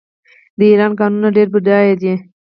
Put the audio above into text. د ایران کانونه ډیر بډایه دي.